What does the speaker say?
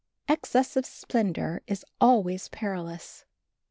Excess of splendor is always perilous.